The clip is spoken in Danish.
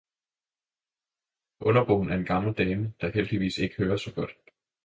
Underboen er en gammel dame, der heldigvis ikke hører så godt.